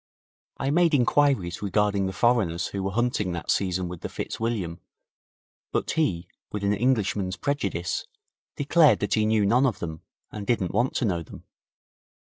I made inquiries regarding the foreigners who were hunting that season with the Fitzwilliam, but he, with an Englishman's prejudice, declared that he knew none of them, and didn't want to know them.